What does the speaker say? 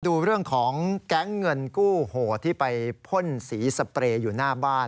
ดูเรื่องของแก๊งเงินกู้โหดที่ไปพ่นสีสเปรย์อยู่หน้าบ้าน